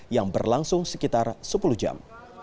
yang berlangsung sekitar sepuluh jam